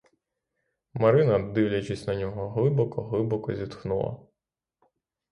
Марина, дивлячись на його, глибоко-глибоко зітхнула.